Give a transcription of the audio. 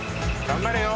頑張れよ